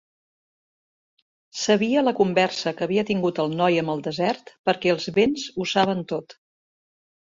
Sabia la conversa que havia tingut el noi amb el desert perquè els vents ho saben tot.